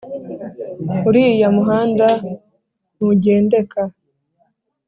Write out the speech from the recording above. Uriya muhanda ntugendeka